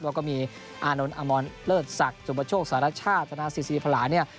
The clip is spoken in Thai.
แล้วก็มีอานนท์อมรเลิศศักดิ์จุบัติโชคสหรัฐชาติศนาศิษย์ศิษย์ภาราเนี่ย